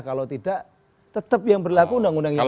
kalau tidak tetap yang berlaku undang undang yang lama